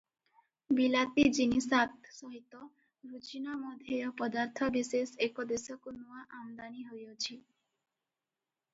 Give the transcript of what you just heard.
ବିଲାତି ଜିନିସାତ୍ ସହିତ ରୁଚିନାମଧେୟ ପଦାର୍ଥବିଶେଷ ଏ ଦେଶକୁ ନୂଆ ଆମଦାନୀ ହୋଇଅଛି ।